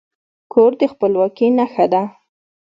کور د خپلواکي نښه ده.